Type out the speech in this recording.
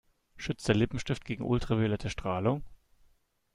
Schützt der Lippenstift gegen ultraviolette Strahlung?